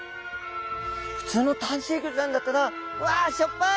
普通の淡水魚ちゃんだったら「うわしょっぱい！